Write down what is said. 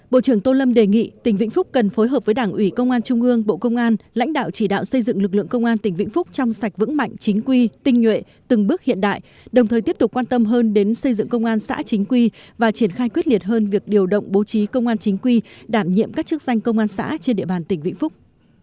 bộ trưởng tô lâm đề nghị tỉnh vĩnh phúc cần phối hợp với đảng ủy công an trung ương bộ công an lãnh đạo chỉ đạo xây dựng lực lượng công an tỉnh vĩnh phúc trong sạch vững mạnh chính quy tinh nhuệ từng bước hiện đại đồng thời tiếp tục quan tâm hơn đến xây dựng công an xã chính quy và triển khai quyết liệt hơn việc điều động bố trí công an chính quy đảm nhiệm các chức danh công an xã trên địa bàn tỉnh vĩnh phúc